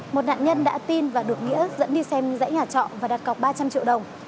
một nạn nhân đã tin và được nghĩa dẫn đi xem dãy nhà trọ và đặt cọc ba trăm linh triệu đồng